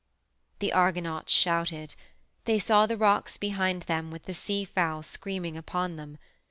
The Argonauts shouted. They saw the rocks behind them with the sea fowl screaming upon them.